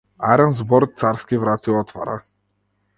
Арен збор царски врати отвора.